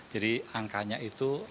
jadi angkanya itu